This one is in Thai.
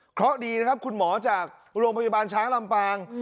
เพราะดีนะครับคุณหมอจากโรงพยาบาลช้างลำปาง